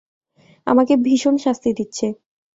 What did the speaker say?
আমাকে ভীষণ শাস্তি দিচ্ছে।